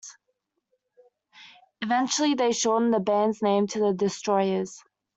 Eventually, they shortened the band's name to The Destroyers.